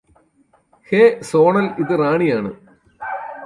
hey Sonal ഇത് റാണിയാണ്